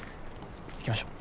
行きましょう。